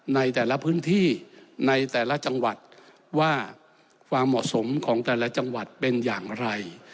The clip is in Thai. ในแต่ละพื้นที่ในแต่ละจังหวัดว่าความเหมาะสมของแต่ละจังหวัดเป็นอย่างไร